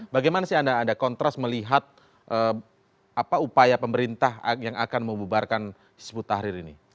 bagaimana sih anda kontras melihat apa upaya pemerintah yang akan membubarkan hizbut tahrir ini